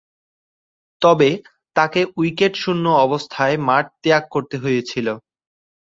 তবে, তাকে উইকেট শূন্য অবস্থায় মাঠ ত্যাগ করতে হয়েছিল।